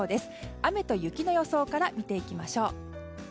雨と雪の予想から見ていきましょう。